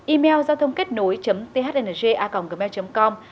email giao thôngkếtnối thng gmail com